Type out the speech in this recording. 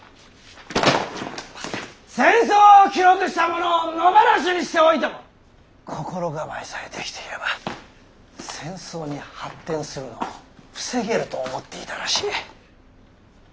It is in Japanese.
戦争を記録したものを野放しにしておいても心構えさえできていれば戦争に発展するのを防げると思っていたらしい。